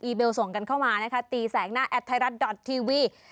เบลส่งกันเข้ามานะคะตีแสงหน้าแอดไทยรัฐดอททีวี